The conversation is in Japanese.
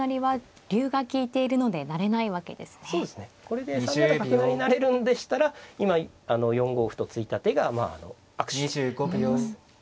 これで３七角成成れるんでしたら今４五歩と突いた手がまああの悪手となります。